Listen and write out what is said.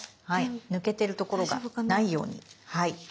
抜けてるところがないように。